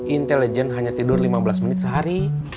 intelijen hanya tidur lima belas menit sehari